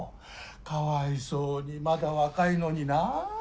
かわいそうにまだ若いのになあ。